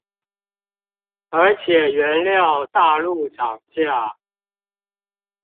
而且原料大陸漲價